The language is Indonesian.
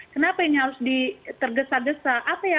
kenapa ini harus tergesa gesa